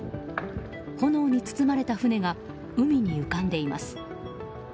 炎に包まれた船が海に浮かんでいます。